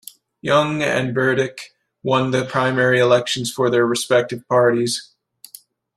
Young and Burdick won the primary elections for their respective parties.